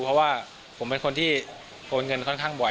เพราะว่าผมเป็นคนที่โอนเงินค่อนข้างบ่อย